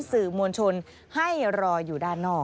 สื่อมวลชนให้รออยู่ด้านนอก